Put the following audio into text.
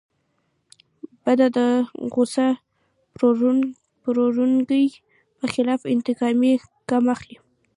بنده د غوسه پاروونکي په خلاف انتقامي ګام اخلي.